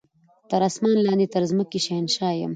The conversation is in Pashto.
تر اسمان لاندي تر مځکي شهنشاه یم